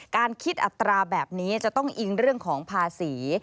การคิดอัตราแบบนี้จะต้องอิงเรื่องของภาษี